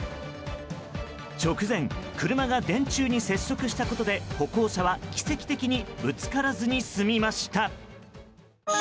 直前、車が電柱に接触したことで歩行者は奇跡的にぶつからずに済みました。